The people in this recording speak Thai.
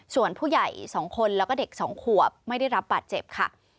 ส่วนผู้ใหญ่๒คนแล้วก็เด็ก๒ขวบไม่ได้รับบาดเจ็บค่ะ